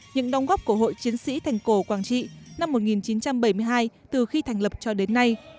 những đồng góp của hội chiến sĩ thành cổ quảng trị năm một nghìn chín trăm bảy mươi hai từ khi thành lập cho đến nay